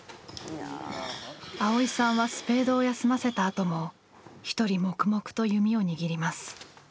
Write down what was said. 蒼依さんはスペードを休ませたあとも一人黙々と弓を握ります。